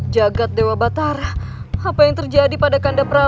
jagad dewa batara apa yang terjadi pada kandaprabu